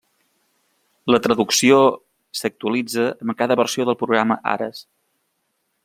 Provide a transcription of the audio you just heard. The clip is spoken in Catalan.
La traducció s'actualitza amb cada versió del programa Ares.